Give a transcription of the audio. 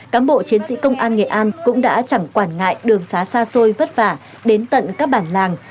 cám bộ chiến sĩ công an nghệ an cũng đã chẳng quản ngại đường xá xa xôi vất vả đến tận các bản làng